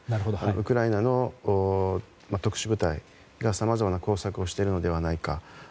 ウクライナの特殊部隊がさまざまな工作をしているのではないか。